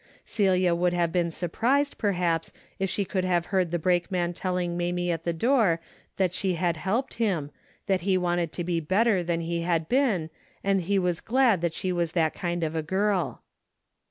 Celia would have been surprised, perhaps, if she could have heard the brakeman telling Mamie at the door that she had helped him, that he wanted to be better than he had been and he was glad she was that kind of a girl.